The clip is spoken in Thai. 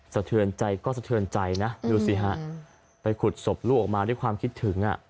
สะเทือนใจก็สะเทือนใจนะดูสิฮะไปขุดศพลูกออกมาด้วยความคิดถึง